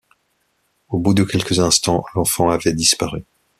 Au bout de quelques instants l’enfant avait disparu.